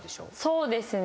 そうですね。